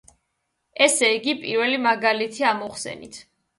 ესე იგი, პირველი მაგალითი ამოვხსენით.